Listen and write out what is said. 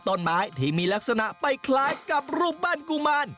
ต้นไม้ที่มีลักษณะไปคล้ายกับรูปปั้นกุมาร